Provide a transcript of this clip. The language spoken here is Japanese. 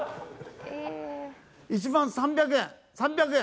１万３００円３００円。